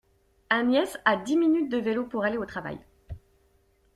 Agnès a dix minutes de vélo pour aller au travail.